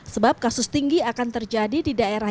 sebab kasus tinggi akan terjadi di daerah